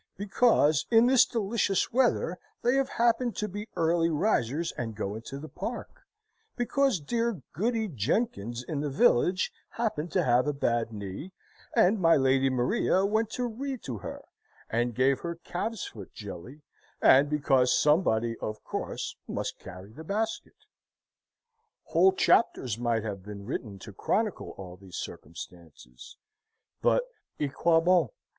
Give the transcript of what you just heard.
because, in this delicious weather, they have happened to be early risers and go into the park; because dear Goody Jenkins in the village happened to have a bad knee, and my lady Maria went to read to her, and gave her calves' foot jelly, and because somebody, of course, must carry the basket. Whole chapters might have been written to chronicle all these circumstances, but A quoi bon?